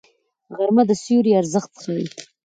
غرمه د سیوري ارزښت ښيي